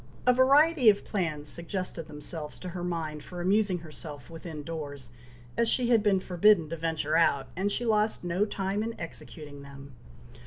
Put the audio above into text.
A variety of plans suggested themselves to her mind for amusing herself within doors, as she had been forbidden to venture out, and she lost no time in executing them.